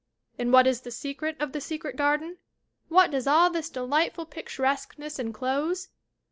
And what is the secret of The Secret Garden? What does all this delightful picturesqueness enclose?